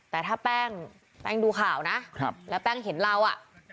แต่ถ้าแป้งแป้งดูข่าวนะแล้วแป้งเห็นเราอ่ะ